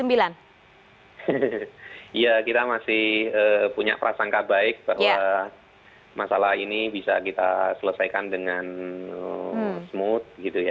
iya kita masih punya prasangka baik bahwa masalah ini bisa kita selesaikan dengan smooth gitu ya